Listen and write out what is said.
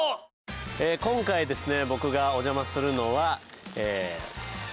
今回ですね